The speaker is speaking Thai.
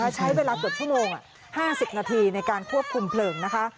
ใช้เวลาเกือบชั่วโมง๕๐นาทีในการควบคุมเพลิงนะคะ